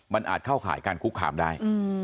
มันอาจเข้าข่ายการคุกคามได้